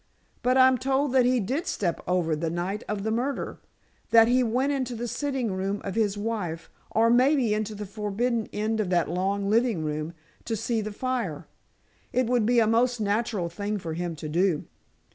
"But I'm told that he did step over the night of the murder. That he went into the sitting room of his wife—or maybe into the forbidden end of that long living room—to see the fire. It would be a most natural thing for him to do."